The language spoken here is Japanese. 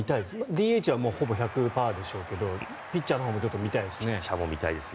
ＤＨはほぼ１００％でしょうけどピッチャーのほうもピッチャーも見たいです。